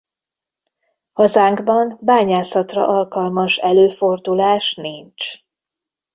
Hazánkban bányászatra alkalmas előfordulás nincs.